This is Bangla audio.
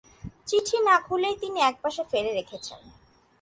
চিঠি না-খুলেই তিনি একপাশে ফেলে রেখেছেন।